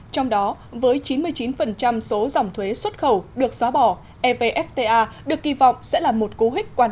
trong đó với chín mươi chín số dòng thuế xuất khẩu được xóa bỏ evfta được kỳ vọng sẽ là một cú hích quan